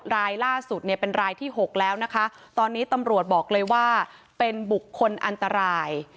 รายล่าสุดเนี่ยเป็นรายที่๖แล้วนะคะตอนนี้ตำรวจบอกเลยว่าเป็นบุคคลอันตราย